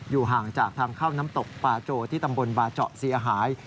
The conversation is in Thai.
ห่างจากทางเข้าน้ำตกปลาโจที่ตำบลบาเจาะเสียหาย